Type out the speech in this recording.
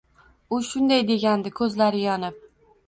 u shunday degandi ko’zlari yonib.